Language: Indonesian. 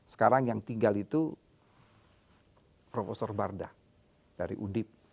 sekarang yang tinggal itu prof barda dari udip